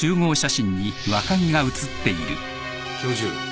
教授。